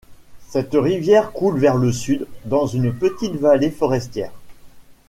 Cette rivière coule vers le sud dans une petite vallée forestière.